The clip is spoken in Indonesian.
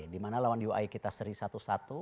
dimana lawan ui kita seri satu satu